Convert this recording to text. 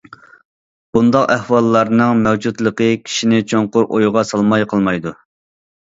بۇنداق ئەھۋاللارنىڭ مەۋجۇتلۇقى كىشىنى چوڭقۇر ئويغا سالماي قالمايدۇ.